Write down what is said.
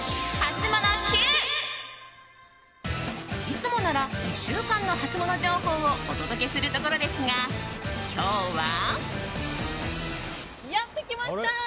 いつもなら１週間のハツモノ情報をお届けするところですが今日は。